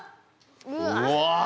うわ！